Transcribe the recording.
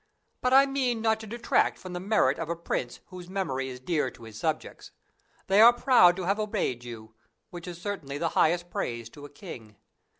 But I mean not to detract from the merit of a prince whose memory is dear to his subjects. They are proud of having obeyed you, which is certainly the highest praise to a king.